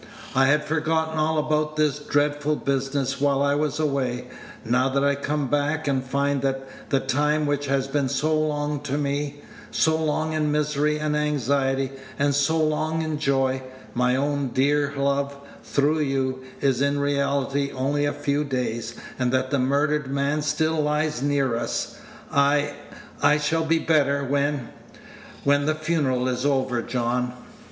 "I had forgotten all about this dreadful business while I was away. Now that I come back, and find that the time which has been so long to me so long in misery and anxiety, and so long in joy, my own dear love, through you is in reality only a few days, and that the murdered man still lies near us, I I shall be better when when the funeral is over, John."